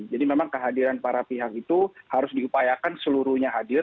jadi memang kehadiran para pihak itu harus diupayakan seluruhnya hadir